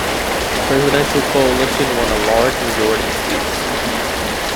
The presidential coalition won a large majority of seats.